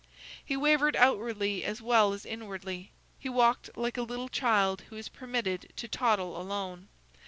He wavered outwardly as well as inwardly. He walked like a little child who is permitted to toddle alone.